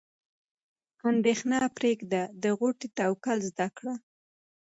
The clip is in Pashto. اندیښنه پرېږده د غوټۍ توکل زده کړه.